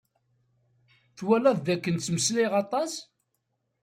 Twalaḍ d akken ttmeslayeɣ atas?